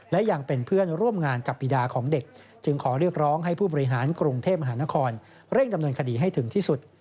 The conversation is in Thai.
และยังเป็นเพื่อนร่วมงานกับปีดาของเด็กจึงขอเรียกร้องให้ผู้บริหารกรุงเทพมหานครเร่งดำเนินคดีให้ถึงที่สุด